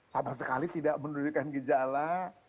sama sekali tidak mendudukan gejala